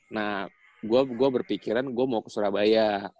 nah gua berpikiran gua mau ke surabaya